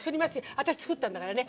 私、作ったんだからね。